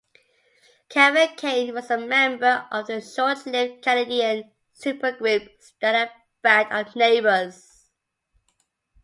Kevin Kane was a member of the short-lived Canadian supergroup Stellar Band of Neighbours.